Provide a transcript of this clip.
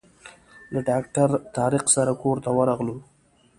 له ډاکټر طارق سره کور ته ورغلو.